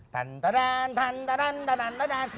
ตันตันตันตันตันตันตันตันตันตันตัน